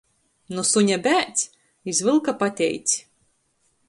Nu suņa bēdz, iz vylka pateic.